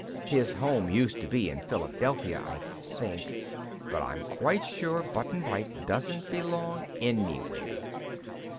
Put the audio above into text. "His home used to be in Philadelphia, I think; but I'm quite sure Button Bright doesn't belong anywhere."